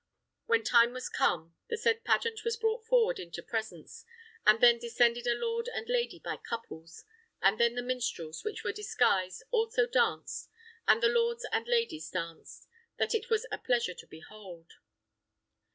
When time was come, the said pageant was brought forward into presence, and then descended a lord and lady by couples, and then the minstrels, which were disguised, also danced, and the lords and ladies danced, that it was a pleasure to behold."